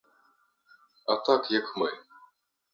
А так, як ми.